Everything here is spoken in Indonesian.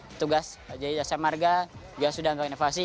petugas dari dasar marga juga sudah melakukan evakuasi